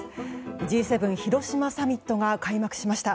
Ｇ７広島サミットが開幕しました。